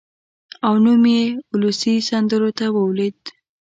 او نوم یې اولسي سندرو ته ولوېد.